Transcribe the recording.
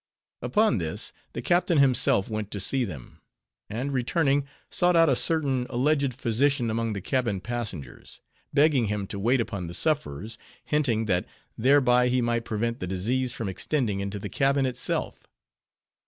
Upon this, the captain himself went to see them; and returning, sought out a certain alleged physician among the cabin passengers; begging him to wait upon the sufferers; hinting that, thereby, he might prevent the disease from extending into the cabin itself.